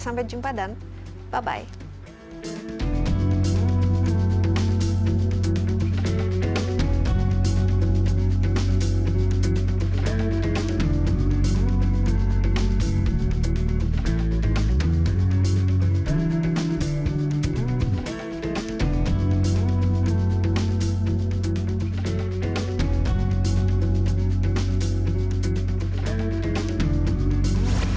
sampai jumpa dan bye bye